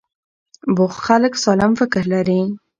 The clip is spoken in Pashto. بوخت خلک سالم فکر لري.